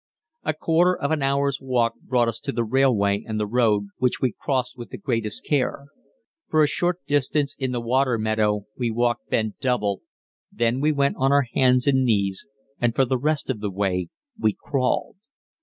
A quarter of an hour's walk brought us to the railway and the road, which we crossed with the greatest care. For a short distance in the water meadow we walked bent double, then we went on our hands and knees, and for the rest of the way we crawled.